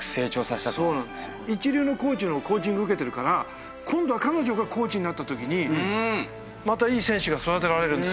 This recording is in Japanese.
一流のコーチのコーチング受けてるから今度は彼女がコーチになったときにまたいい選手が育てられるんですよ。